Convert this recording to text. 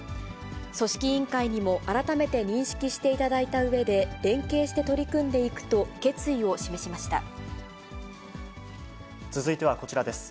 組織委員会にも改めて認識していただいたうえで連携して取り組ん続いてはこちらです。